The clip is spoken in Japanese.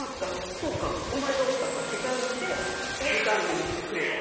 そうかお前がおったか」って感じで従三位にしてくれたっていう。